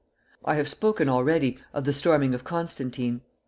I have spoken already of the storming of Constantine.